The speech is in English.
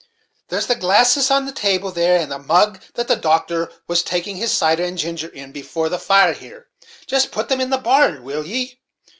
There's the glasses on the table there, and the mug that the doctor was taking his cider and ginger in, before the fire here just put them in the bar, will ye?